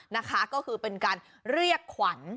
นะคะก็คือเป็นการเรียกขวัญ